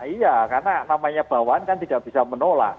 iya karena namanya bawaan kan tidak bisa menolak